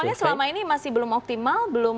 artinya selama ini masih belum optimal